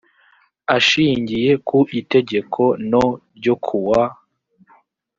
ashingiye ku itegeko no ryo kuwa